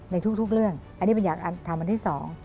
ในทุกเรื่องอันนี้ผมอยากทำอันที่สอง